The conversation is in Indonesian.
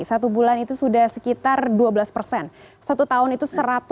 satu bulan itu sudah sekitar dua belas satu tahun itu satu ratus empat puluh empat